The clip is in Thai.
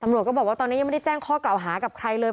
ก็บอกว่าตอนนี้ยังไม่ได้แจ้งข้อกล่าวหากับใครเลย